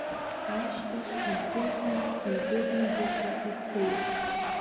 Ашьҭахь аддыҳәа индәылибаҳәа ицеит.